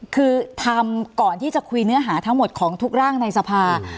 คือทำก่อนที่จะคุยเนื้อหาทั้งหมดของทุกร่างในสภา